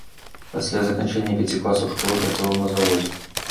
Пасля заканчэння пяці класаў школы працаваў на заводзе.